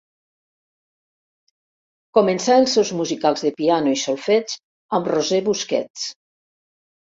Començà els seus musicals de piano i solfeig amb Roser Busquets.